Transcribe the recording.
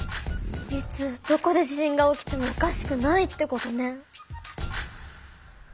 いつどこで地震が起きてもおかしくないってことね。